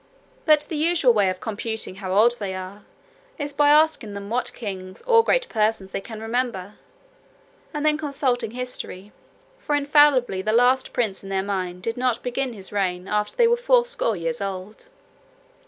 But the usual way of computing how old they are, is by asking them what kings or great persons they can remember, and then consulting history; for infallibly the last prince in their mind did not begin his reign after they were fourscore years old.